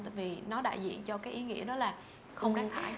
tại vì nó đại diện cho cái ý nghĩa đó là không rác thải